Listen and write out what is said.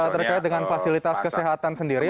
terkait dengan fasilitas kesehatan sendiri